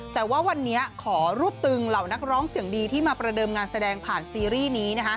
แต่ว่าวันนี้ขอรวบตึงเหล่านักร้องเสียงดีที่มาประเดิมงานแสดงผ่านซีรีส์นี้